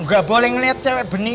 gak boleh ngeliat cewek benih